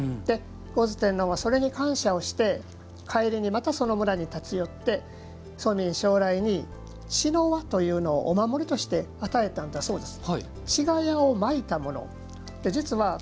牛頭天王はそれに感謝をして帰りに、またその村に立ち寄って、蘇民将来に茅の輪というのをお守りとして与えたんだそうです。